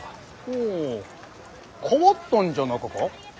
ほう替わったんじゃなかか？